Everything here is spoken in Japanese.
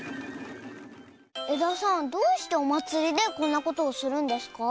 えださんどうしておまつりでこんなことをするんですか？